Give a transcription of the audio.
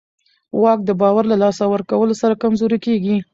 واک د باور له لاسه ورکولو سره کمزوری کېږي.